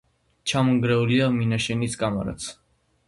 ჩამონგრეულია მინაშენის კამარაც.